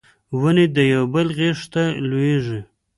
ونې د یو بل غیږ ته لویږي